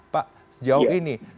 pak sejauh ini